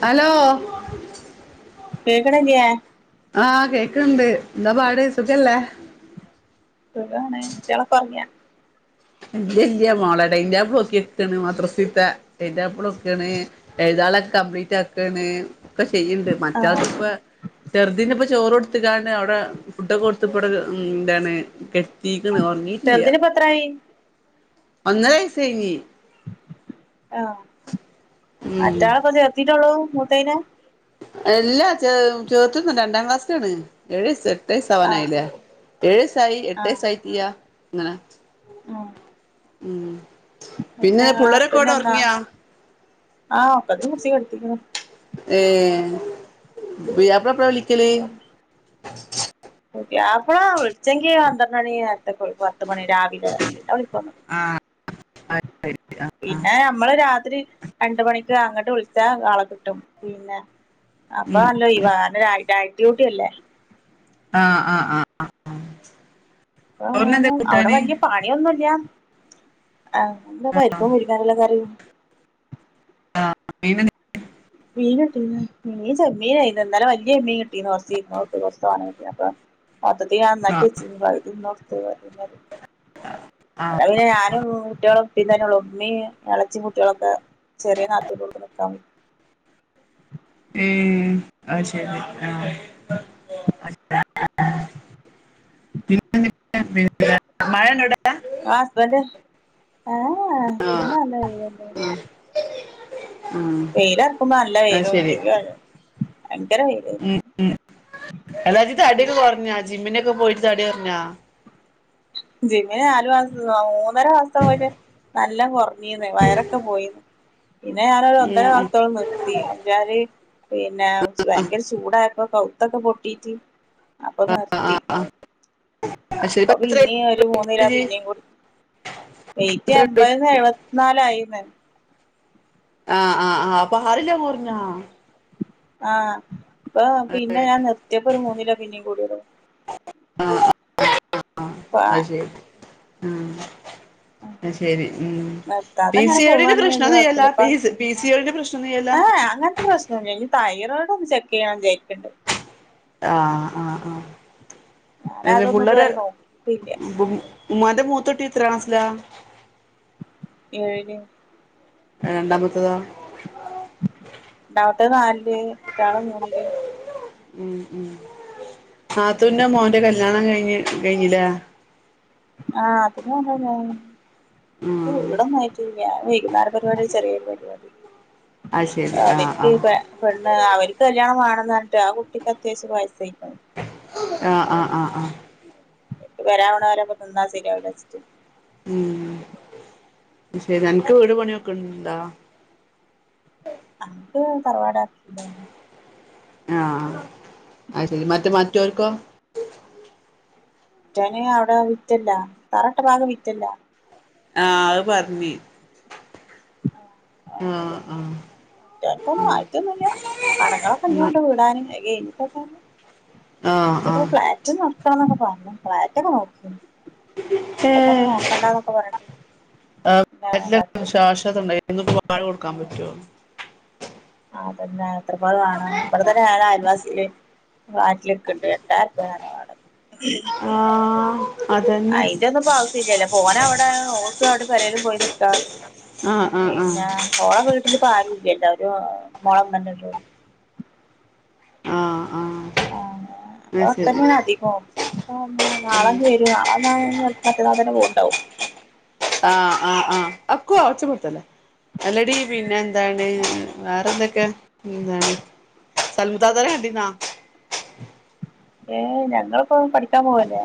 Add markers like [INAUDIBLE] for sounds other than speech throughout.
Hello കേക്ക്ണില്ല്യേ ആഹ് കേക്ക്ണ്ട് ന്താ പാട് സുഖല്ലേ സുഖാണ് കുട്ടിയാളൊക്കൊർങ്യാ ഇല്യല്യ മോളെ ടൈന്റെബിളോക്യക്കാണ് മദ്രസീത്തെ ടൈംന്റെബിളോക്കാണ് എയ്താളെക്കെ കംപ്ലീറ്റാക്കാണ്. ഒക്കെ ചെയ്യ്ണ്ട് ആഹ് മറ്റാൾത്പ്പ ചെർത് ന് പ്പ ചോറോട്ത്ത്‌ക്കാണ്ട് അവ്ടെ ഫുഡൊക്കെ കൊടുത്ത് പ്പടെ ഉം ന്താണ് കെട് തീക്ക്ണ് ഒറർങ്ങീട്ടില്ല ത്രായി ഒന്നരവയ്സയ്ഞ്ഞി ആഹ് ഉം മറ്റാളെ പ്പ ചേർത്തിട്ടോള്ളൂ മൂത്തേനെ എല്ലാ ചേ ചേർത്ത്‌ന്ന് രണ്ടാം ക്ലാസ്സിക്കാണ് ഏഴ്സ് എട്ട് ആഹ് വയ്സാവാനായിലെ, ഏഴിസായി എട്ട്വയ്സായിട്ടില്ല ങ്ങനെ ഉം ഉം പിന്നെ ഹസ്ബൻഡ് പുള്ളോരൊക്കോടെ വന്നാ ഒർങ്ങിയൊ ആഹ് ഒക്കത്തിനിം പുട്ച്ച് കെട്ത്തിക്ണ് ഏഹ് പുയ്യാപ്ലപ്പളാ വിളിക്കല് ഓകെ പിയാപള വിളിച്ചെങ്കി പന്ത്രണ്ടണി നെര്ത്തോക്കെ പത്ത് മണി രാ പിന്നെ. അഹ്പ്പം [INAUDIBLE] പിന്നെ ഞമ്മള് രാത്രി രണ്ട് മണിക്ക് അങ്ങട്ട് വിള്ച്ചാ ആളെ കിട്ടും പിന്നെ അപ്പ ഉം നല്ല ഒഴിവാ ഇന്ന് നൈ നൈറ്റ് ഡ്യൂട്ടിയല്ലേ ആഹ് ആഹ് ആഹ് ആഹ് ആഹ് ഇപ്പങ്ങനെ അവ്ടെ വല്ല്യയാ പ ണിയൊന്നുല്ല ആഹ് എന്താ പരിപ്പും മുരിങ്ങാക്കോല്ള്ള കറിം [UNINTELLIGIBLE] മീന്ട്ടീണ് മീൻ ചെമ്മീനേര്ന്ന് ഇന്നെലെ വെല്ല്യ ചെമ്മീൻ കിട്ടീര്ന്ന് കൊറ്ച്ച് കുരുമൊളക്ക്ട്ട് കൊറ്ച്ച് തോനെകീട്ടിണ് അപ്പം മൊത്തത്തി ഞാൻ ആഹ് നന്നാക്കിച്ചീന് പവുതി ഇന്നുട്ത്ത് പവുതി ഇന്നലിം ആഹ് ആഹ് അതാ പിന്നെ ഞാനും കുട്ടിയാള ഇപ്പിം തന്നെള്ളൂ ഇമ്മീം എളെച്ചിം കുട്ട്യളൊക്കെ ചെറിയെ നാത്തുന്റോട്ക്ക് നിക്കാ പോയ് ഉം അഹ് ശെരി ആഹ് പിന്നെന്തൊക്കെയാ ആഹ് പിന്നെ മഴണ്ടോ അവ്ടെ ആഹ് ഹസ്ബന്റ് ഏഹ് ഏഹ് ഇന്ന് നല്ല വെയ്ല്ണ്ട് ഉം വെയിലറ്ക്കുമ്പോ നല്ല അത് വെയ്ലുണ്ട് ശരി [UNINTELLIGIBLE] ഭയങ്കര വെയ്ല് [UNINTELLIGIBLE] എടാ ഇജ് തടിയൊക്കെ കൊറ്ഞ്ഞോ ജിമ്മിനൊക്കെ പോയിട്ട് തടിയൊറ്ഞ്ഞോ ജിമ്മിന് നാലു മാസം മൂന്നര മാസം പോയിട്ട് നല്ലോം കൊറ് ഞ്ഞീന്ന് വയറൊക്കെ പോയിന്ന് പിന്നെ ഞാനൊരു ഒന്നര ഉം ഉം മാസ്ത്തോളം നിർ ത്തി [UNINTELLIGIBLE] പിന്നെ ഭയങ്കര ചൂടായപ്പോ കവുത്തൊക്കെ പൊട്ടീട്ട് അപ്പ ആഹ് നിർത്തി ആഹ് ആഹ് അത് ശരി അപ്പൊ ഇപ്പൊ എത്രയായി പിന്നീം ഒരു മൂന്നിലോം ഇജ്ജ് പിന്നിം കൂടി വെയിറ്റ് എത്രയായി എമ്പത് എഴു നാലായിന്ന് ആഹ് ആഹ് ആഹ് അപ്പ ആറിലൊ കൊറ്ഞ്ഞോ ആഹ് ഇപ്പ പിന്നെ ഞാൻ നിർത്തിയപ്പോ ഒരു മൂന്നിലോ പിന്നേം കൂടിതാ [UNINTELLIGIBLE] അഹ് ശരി ന്നാ ശരി ഉം നിർത്താതെ പി അങ്ങനെ സി ഒ ഡില് പോവാണെങ്കി വല്യ പ്രശ്നൊന്നുല്ലല്ലോ കൊഴപ്പല്ല ഇപ്പ പീസ് പി സി ഒ ഡിന്റെ പ്രശ് ഏഹ് അങ്ങത്തെ പ്രശ്നല്ലേനി തൈറോയിഡ് ഒന്ന് ചെക്കെയ്യണം വിച്ചാരിക്ക്ണ്ട് ആഹ് ആഹ് ആഹ് ഞാന് എന്തെ അതൊന്നും പുള്ളാര് ഇതുവരെ നോക്കിട്ടില്ല [UNINTELLIGIBLE] ഉമ്മാൻ്റെ മൂത്തുട്ടി എത്രാം ക്ലാസ്സിലാ ഏഴില് ഏഹ് രണ്ടാമത്തെതോ ണ്ടാമത്തെ നാലില് മറ്റാള് മൂന്നില് ഉം ഉം നാത്തൂന്റെ മോന്റെ കല്യാണം കഴിഞ്ഞ് കഴിഞ്ഞില്ലേ ആഹ് അത് മൂന്നും ഇണ്ടാവും ആഹ് ഇവടൊന്നായിട്ടൂല്ല വൈകുന്നേര പരിവാടി ചെറ്യേരു പരിവാടി. ആഹ് അവര്ക്ക് പേ പെണ്ണ് ആഹ് അവര്ക്ക് കല്യാണം വാണംന്നർഞ്ഞ്ട്ടെ ആ കുട്ടിക്ക് അത്യാവശ്യം വയസ്സായിക്ക്ണ് ആഹ് ആഹ് ആഹ് ആഹ് ഏഹ് ഏഹ് വരാണോലപ്പം തിന്നാ ശരിയാവുലാച്ചിട്ട് ഉം ശരി അൻക്ക് വീട് പണിയൊക്കണ്ടോ അന്ക്ക് തറവാട് അട്ത്ത് [UNINTELLIGIBLE] ആഹ് അയ് ശരി മറ്റ് മറ്റോല്ക്കോ റ്റോന് അവടെ മിറ്റല്ലാ തറട്ടഭാഗം മിറ്റല്ലാ ആഹ് അഹ് പറഞ്ഞ് ആഹ് ആഹ് ചെലപ്പം ഒന്നും ആയിട്ടൊന്നുല്ല. കടങ്ങളൊക്കെ ഇഞ്ഞുണ്ട് വിടാന് അഹ് കഴിഞ്ഞിട്ടൊക്കെ ആഹ് ആഹ് [UNINTELLIGIBLE] ഫ്ളാറ്റ് നോക്കാന്നൊക്കെ പറഞ്ഞ് ഫ്ളാറ്റൊക്കെ നോക്കിണ് ഇപ്പ തന്നെ ഏഹ് നോക്കണ്ടന്നൊക്കെ പറഞ്ഞ് എല്ലും ശാശ്വതണ്ടായി ഇന്ന്പ്പം [UNINTELLIGIBLE] കൊടുക്കാൻ പറ്റോ ആഹ് അതന്നെ എത്രപോലെ വാണം ഇവിടെ തന്നെ ഞാന അയൽവാസിയില് വാറ്റിലിക്കണ്ട് എട്ടായിര ഉർപ്പിയ ആണ വാടാ ആഹ് അതന്നെ അയിന്റെ ഒന്നും ഇപ്പ ആവശ്യം ഇല്ലല്ല പോന അവിടെ ഓൾക്ക് അവിടെ പെരേലും പോയി നിക്കാ ആഹ് ആഹ് ആഹ് ഓള വീട്ടിലിപ്പ ആരുല്യല്ല ഒരു മോളെന്നെന്നെല്ലെ ഉള്ളൂ ആഹ് ആഹ് ഓന് അത് പ്പൊ അവ്ട് ശരി തന്നാണ് അധികം ഇഞ് പ്പൊ വന്ന നാളെഞ് വരും നാളെ വന്ന മറ്റന്നാള തന്നെ പോവ്ണ്ടാവും ആഹ് ആഹ് ആഹ് അക്കോ ഒച്ച പെടുത്തല്ലേ അല്ലടി പിന്നെ എന്താണ് വേറെ എന്തൊക്കെ എന്താണ് സൽമുത്താത്താനെ കണ്ടിര്ന്നാ ഏഹ് ഞങ്ങളിപ്പോ പഠിക്കാൻ പോവല്ലേ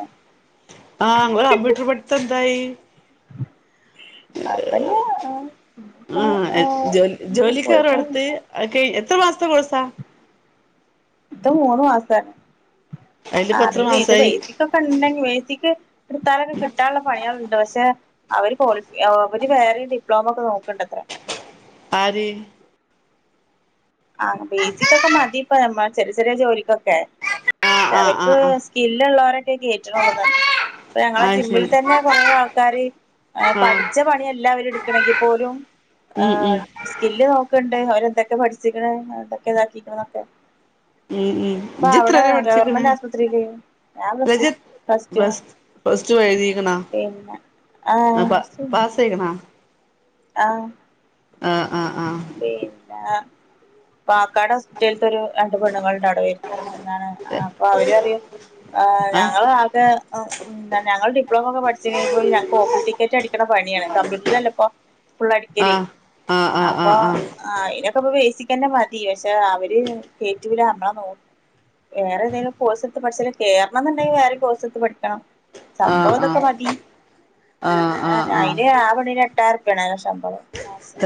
ആഹ് ങ്ങളെ കമ്പ്യൂട്ടർ പടിത്തെന്തായി അഒക്കെ ന്നെ [UNINTELLIGIBLE] ആഹ് ജോ പോയി ജോലിക്കേറൊട്ത്തി അഹ് കയ് എത്ര മാസത്തെ കോഴ്സാ ഇത് മൂന്നു മാസത്തെ അതിലിപ്പോ എത്ര അറില ഇത് മാസായി പെയ്ത്ക്ക പണ്ടെങ്കി മെയ്ജിക്ക് ഇട്ത്താലൊക്കെ കിട്ടാനുള്ള പണിയാ ണ്ട് പക്ഷെ അവര് പോളി അവര് വേറിം ഡിപ്ലോമ ഒക്കെ നോക്ക്ണ്ടത്രേ ആര് ആഹ് പിജിക്കൊക്കെ മതി ഇപ്പ നമ്മ ചെറിയ ചെറിയ ജോലിക്കൊക്കെ. ആഹ് പക്ഷെ ആഹ് അവർക്ക് ആഹ് ആഹ് സ്കില്ള്ളൊരൊക്കെ കേറ്റുണൊള്ളൂ ഇപ്പൊ ഞങ്ങളെ അത് ജിമ്മിൽ ശരി തന്നെ കൊറേ ആൾക്കാര് ആഹ് പഠിച്ച പണിയാ എല്ലാവരും എടുക്കണെങ്കി പോലും മ്മ് മ്മ് സ്കില്ല് നോക്കണ്ട് അവര് എന്തൊക്കെ പഠിച്ചിക്കണ് എന്തൊക്കെ ഇതാക്കീക്ക്ണ്ന്നൊക്കെ ഉം ഉം ഇപ്പ ഇജ്ജ് എത്ര അവിടെ വരെ പഠിച്ചിക്കണ് ഗവണ്മെന്റ് ആസ്പത്രിയില്. ഞാൻ അല്ല ഇജ്ജ് പ്ലസ്ടു പ്ലസ് പ്ലസ് ടു എഴുതിക്കണാ പിന്നെ ആഹ് പ്ലസ്ടു പാസായിക്കണ ആഹ് ആഹ് ആഹ് പിന്നെ പാക്കാട് ഹോസ്പിറ്റൽത്തെ ഒരു രണ്ട് പെണ്ണുങ്ങൾണ്ട് അവിടെ വരണേ ഞാന് അപ്പ അവര് പറയും ആഹ് ഞങ്ങൾ ആകെ ഞങ്ങള് ഡിപ്ലോമ ഒക്കെ പഠിച്ചിണേൽ പോലും ഞങ്ങക്ക് ഒ പി ടിക്കറ്റ് അടിക്കണ പണിയാണ് കമ്പ്യൂട്ടറിൽ അല്ലേപ്പോ ഫുൾ അടിക്കൽ ആഹ് ആഹ് ആഹ് ആഹ് ആഹ് അപ്പൊ ആഹ് ആ അയിനൊക്കെ ഇപ്പോ ബേസിക്കന്നെ മതി പക്ഷെ അവര് കേറ്റൂല നമ്മളെ നോ വേറെ എന്തെങ്കിലും കോഴ്സ് എടുത്തു പഠിച്ചാൽ കേറണം എന്നുണ്ടെങ്കിൽ വേറെ കോഴ്സെടുത്ത് പഠിക്കണം സംഭവം ആഹ് ഇതൊക്കെ മതി. ആഹ് അയില് ആ പെണ്ണിന് എട്ടായിറുപ്പിയാണ് ശമ്പളം.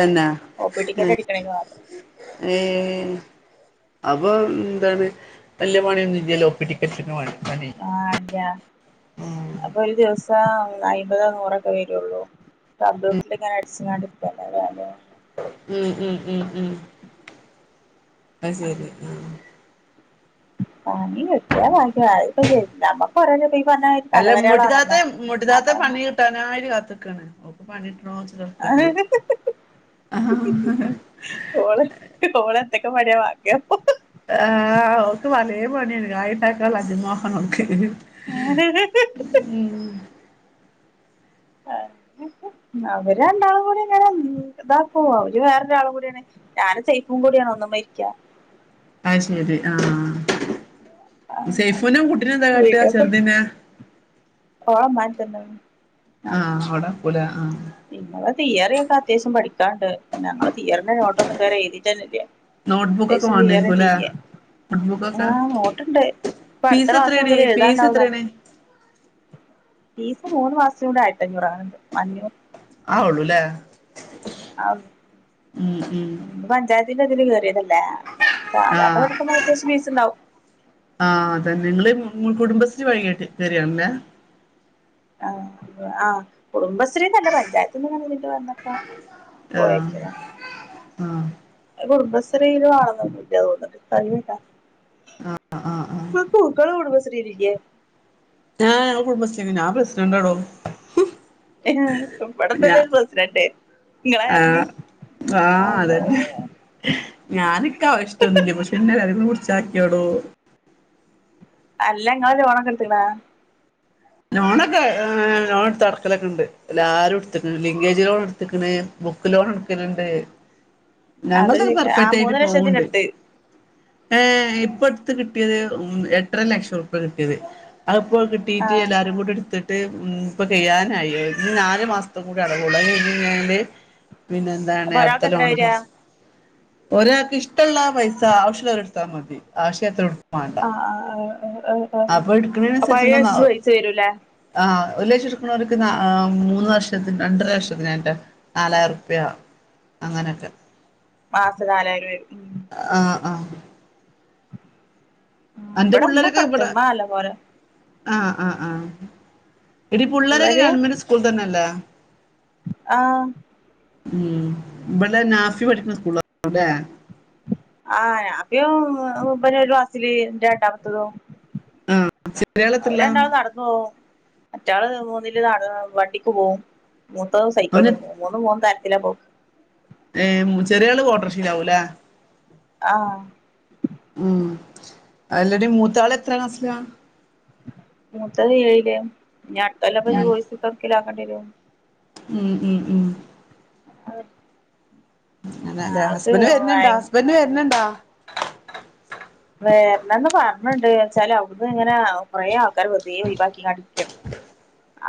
[UNINTELLIGIBLE] ഒ പി ടിക്കറ്റ് അടിക്കണേങ്കി മാത്രം. ഏയ് അപ്പൊ എന്താണ് വല്ല്യ പണിയൊന്നും ഇല്ലല്ലോ ഒ പി ടിക്കറ്റ് ഇടുക്കണ പണി ആഹ് ഇല്ല്യ അപ്പൊ ഒരു ദിവസം അയ്മ്പതോ നൂറൊക്കെ വരുള്ളൂ കമ്പ്യൂട്ടറിൽ ഇങ്ങനെ അടിച്ചങ്ങാണ്ട് ഇരിക്കല്ലേ അവിടെ ഉം ഉം ഉം ഉം ആയിശേരി ആഹ് പനി കിട്ട്യാ ഭാഗ്യം അതിപ്പോ നമ്മുക്കൊ [UNINTELLIGIBLE] അല്ല ഇമ്മുട്ടിതാത്ത ഇമ്മുട്ടിത്താത്ത പണി കിട്ടനായിട്ട് കാത്ത്ക്കാണ് ഓൾക്ക് പണി കിട്ടണോച്ചിട്ട് നടക്കാണ് ഓള് [UNINTELLIGIBLE] ഓൾ ഓളെന്തൊക്കെ പണിയ വാങ്ങ ആഹ് ഓൾക്ക് പലേ പണീണ്ട് കായി ണ്ടാക്കാൻള്ള അതിമോഹാണ് ഓൾക്ക് [UNINTELLIGIBLE] [INAUDIBLE] അവര് രണ്ടാൾ കൂടിങ്ങനെ ഇതാക്കും അവര് വേറൊരാൾ കൂടിയാണ് ഞാനും സൈഫും കൂടിയാണ് ഒന്നുംമ്മേലിരിക്ക ആഹ് ശെരി ആഹ് സൈഫൂന്റെ കുട്ടിനെ എന്താ കാട്ടിയെ വീഡിയോക്കെ ചെറുതിനെ. ഓളെ ഇമ്മാന്റെ ആഹ് അവിടേ നിക്കുലെ ആഹ് പിന്നെ തിയറിയൊക്കെ അത്യാവശ്യം പഠിക്കാണ്ട് ഞങ്ങള് തിയറീന്റെ നോട്ടൊന്നും ഇതുവരെ എഴുതിട്ടന്നെല്ല്യ നോട്ട്ബുക്കൊക്കെ വാണ്ടിരിക്കൂലേ [UNINTELLIGIBLE] നോട്ട്ബുക്കൊക്കെ ആഹ് നോട്ട്ണ്ട്. ഇപ്പ അടുത്ത ഫീസ് മാസം എത്രേടി മുതല് ഫീസ് എഴുതാണ്ടാവുന്നറഞ്ഞെ. എത്രേണ് ഫീസ് മൂന്ന് മാസം കൊണ്ട് ആയിരത്തിയഞ്ഞൂറാണ്‌ അഞ്ഞൂറ് അതൊള്ളൂല്ലേ ആഹ് ഉം ഉം പഞ്ചായത്തിന്റെതില് കേറിയതല്ലേ ആഹ് സാധാരണ ആഹ് പഠിക്കുമ്പോ അത്യാവശ്യം ഫീസ്ണ്ടാവും. ആഹ് അതന്നെ നിങ്ങള് കുടുംബശ്രീ വഴി കേറിയതാണല്ലേ ആഹ് ആഹ് കുടുംബശ്രീന്റെയല്ല പഞ്ചായത്തിങ്ങനെ വന്നപ്പോ ആഹ് പോയോക്കിയതാ ആഹ് കുടുംബശ്രീയിലും ആവണെന്നൊന്നുംല്ല തോന്നിണ് [UNINTELLIGIBLE] ആഹ് ആഹ് ആഹ് പ്പോ ഇങ്ങൾ കുടുംബശ്രീലൊന്നുല്ലേ ആഹ് ഞങ്ങള് കുടുംബശ്രീണ്ട് ഞാ പ്രസ്ഡന്റാടോ. എഹ് ഇബടെണ്ടല്ലോ ഒര് പ്രെസ്ഡൻ്റ് ആഹ് ആഹ് അതന്നെ ഞാനിക്കാ ഇഷ്ടൊന്നില്ല പ പിന്നെ [UNINTELLIGIBLE] ച്ചാക്ക്യാടോ. അല്ലങ്ങള് ലോണൊക്കെടുത്ത്ക്ക്ണാ ലോണൊക്കെ ലോണെട്ത്ത് അടക്കലൊക്കെണ്ട് എല്ലാരും ട്ത്ത്ക്ക്ണ് ലിങ്കേജ് ലോണ് ട്ത്ത്ക്ക്ണ് ബുക്ക് ലോണെട്ക്കല്ണ്ട് അത് ഞങ്ങള്തെക്കെ ചോയ്ക്കാ ആഹ് പെർഫെക്റ്റായിട്ട് മൂന്ന് ലക്ഷത്തിന്റെ പോവ്ണ്ട്. എടുത്ത് ഏഹ് ഇപ്പട്ത്ത് കിട്ട്യേത് എട്ടര ലക്ഷൊറ്പ്പ്യ കിട്ട്യേത്. അയ് പ്പോ കിട്ടീട്ട് ആഹ് എല്ലാരുങ്കൂടെട്ത്ത്. ഇപ്പ കെയ്യാനായി അഹ് ഇഞ് നാല് മാസ്ത്തേം കൂടി അടവോള്ളൂ അയ് കഴ്ഞ്ഞെയ്ഞ്ഞാല് പിന്നെ ന്താണ് അപ്പൊ അട്ത്ത ഒരാൾക്ക് എത്ര ലോണ് വരാ പാസ്‌ ഒരാക്ക്ഷ്ടള്ള പൈസ ആവ്ശ്ള്ളോര് എട്ത്താമതി ആവ്ശില്ലാത്തോര് ആഹ് ആഹ് അപ്പൊ [UNINTELLIGIBLE] എടുക്കണേനനുസരിച്ച് [UNINTELLIGIBLE] ചേരൂലേ. ആഹ് ഒര് ലക്ഷെട്ക്ക്ണോര്ക്ക് ന്നാ ആഹ് മൂന്ന് വർഷത്തി രണ്ടര വർഷത്തിനെറ്റാ. നാലായിരുർപ്യ അങ്ങനൊക്കെ. മാസം നാലായിരം വരും ഉം ആഹ് ആഹ്. ആഹ് അന്റെ ഇബടെ ഇമ്മക്കെ പുള്ളേരൊക്കെ എടുത്ത് ബടെ ഇമ്മ നല്ലപോലെ ആഹ് ആഹ് ആഹ് എടീ പുള്ളേരൊക്കെ പിള്ളേര് ഗവൺമെന്റ് സ്കൂൾ തെന്നല്ലേ ആഹ്. ഉം ഇബലെ നാഫി പഠിക്ക്ണ സ്കൂളാവുലേ ആഹ് നാഫീം ഇബനും ഒര് ക്ലാസില് ൻ്റെ രണ്ടാമ്ത്തതും. ആഹ് ചെറിയാള് എത്രയില അവരെണ്ടാളും നട ന്നോവും മറ്റാള് മൂന്നില് നട വണ്ടിക്ക് പോവും മൂത്തോള് അവന് സൈക്കിള്മെ പോവും. മൂന്നും മൂന്ന് തരത്തിലാ പോക്ക്. ഏഹ് ചെറ്യാള് ഒട്ടോർശീലാവുലേ ആഹ്. ഉം അല്ലടീ മൂത്താള് എത്രാം ക്ലാസ് ലാ. മൂത്തെത് ഏഴില് ഇനി അട്തൊല്ലപ്പോ ഉം [UNINTELLIGIBLE] എവ്ട്ക്കേലും ആക്കണ്ട്യേരും. ഉം ഉം ഉം. [INAUDIBLE] അങ്ങനെലെ ആൾക്ക് ഹസ്ബന്ഡ് വെര്ന്ണ്ടോ, ഹസ്ബന്ഡ് വെര്ന്ണ്ടോ? വേര്ണന്ന് പറഞ്ഞിണ്ട്, വെച്ചാല് അവ്ട്ന്ന്ങ്ങനെ കൊറെേ ആൾക്കാരെ വെറ്തേ ഒയിവാക്കിങ്ങാണ്ട്ക്കാണ്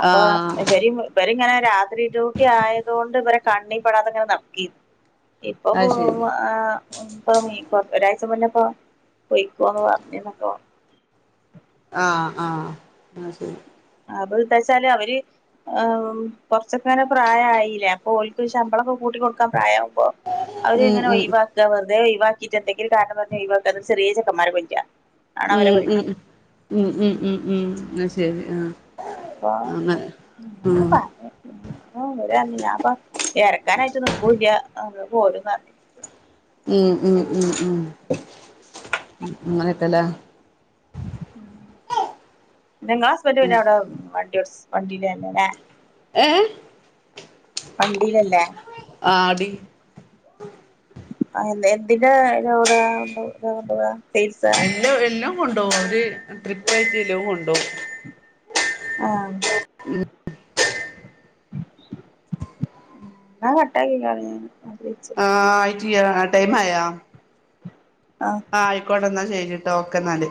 അപ്പൊ ആഹ് ഇവരിം [UNINTELLIGIBLE] ഇവര്ങ്ങനെ രാത്രി ഡ്യൂട്ടി ആയതോണ്ട് ഇവരെ കണ്ണി പെടാതെങ്ങനെ നടക്കെയന് ഇപ്പൊ അത് ശരി [UNINTELLIGIBLE] ആഹ് ഇപ്പ ഈപ്പോ ഒരാഴ്ച മുന്നെപ്പോ പൊയ്ക്കോന്ന് പറഞ്ഞ്ന്നൊക്കെ ആഹ് ആഹ്, ആഹ് ശെരി. അപ്പോന്താച്ചാല് അവര് ഏമ് കൊറച്ചൊക്കെങ്ങനെ പ്രായായിലേ, അപ്പൊ ഓൽക്ക് ശമ്പളൊക്കെ കൂട്ടി കൊടുക്കാൻ പ്രായവുമ്പോ ഉം അവര്ങ്ങനെ ഉം ഒഴിവാക്കാ, വെറ്തേ ഒഴവാക്കിെട്ടന്തെങ്കിലും കാരണം പറഞ്ഞ് ഒഴിവാക്കാന്നട്ട് ചെറ്യേ ചെക്കന്മാരെ കൊണ്ണ്ടര ഉം ഉം ഉം ഉം ഉം ഉം ഉം ന്നാ ശരി ആഹ്. അപ്പോ അങ്ങനെ ങ്ങനൊക്കെ ഉം പറഞ്ഞ് ഓര [UNINTELLIGIBLE] ഞാപ്പം എരക്കാനായിട്ട് നിക്കൂല്ല, അങ്ങട് പോരുന്നറഞ്ഞ്. ഉം ഉം ഉം ഉം അങ്ങനെക്കെലേ പിന്നങ്ങളസ്ബന്റ് പിന്നെ അവ്ടെ വണ്ട്യോച്ച് വണ്ടീലെന്നെലേ? ഏഹ്? വണ്ടീലല്ലേ? ആഹ്ടീ. ആ എന്ത്‌ എന്തിന്റെ ലോടാ [UNINTELLIGIBLE] എല്ലാം എല്ലാം കൊണ്ടോവും, ഒരു ട്രിപ്പായിട്ട എല്ലോം കൊണ്ടോവും ആഹ് ന്നാ കട്ടാക്കിക്കാളി ആഹ് ആയിട്ടില്ല ആഹ് ടൈം ആയോ ആഹ് ആഹ് ആയിക്കോട്ടെന്നാ ശെരിട്ടോ ഓക്കെന്നാല്